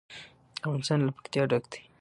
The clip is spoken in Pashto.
افغانستان له پکتیا ډک دی.